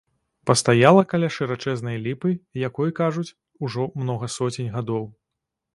Пастаяла каля шырачэзнай ліпы, якой, кажуць, што ўжо многа соцень гадоў.